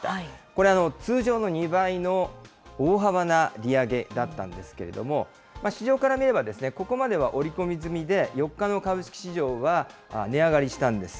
これ、通常の２倍の大幅な利上げだったんですけれども、市場から見れば、ここまでは折り込み済みで、４日の株式市場は、値上がりしたんです。